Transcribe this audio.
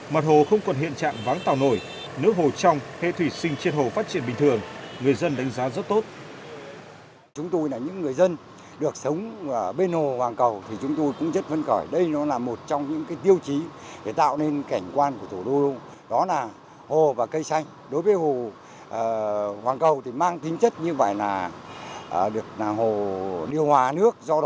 mặt hồ không còn hiện trạng váng tàu nổi nước hồ trong hệ thủy sinh trên hồ phát triển bình thường